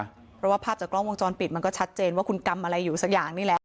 เพราะว่าภาพจากกล้องวงจรปิดมันก็ชัดเจนว่าคุณกำอะไรอยู่สักอย่างนี่แหละ